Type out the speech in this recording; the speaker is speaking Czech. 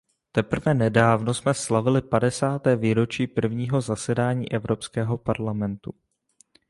Teprve nedávno jsme slavili padesáté výročí prvního zasedání Evropského parlamentu.